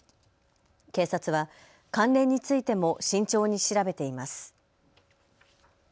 警察は関連についても慎重に調べています。